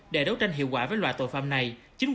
để đấu tranh hiệu quả với loại tội phạm này